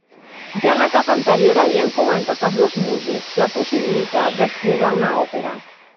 Ja en l'etapa anterior havien comentat els dos músics la possibilitat d'escriure una òpera.